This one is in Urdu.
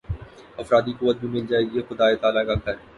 افرادی قوت بھی مل جائے گی خدائے تعالیٰ کا گھر